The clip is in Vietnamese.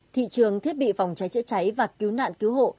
thị trường thiết bị phòng cháy chữa cháy và cứu nạn cứu hộ